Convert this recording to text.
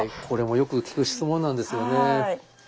これもよく聞く質問なんですよね。